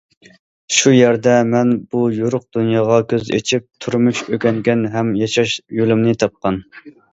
شۇ يەردە مەن بۇ يورۇق دۇنياغا كۆز ئېچىپ، تۇرمۇش ئۆگەنگەن ھەم ياشاش يولۇمنى تاپقان.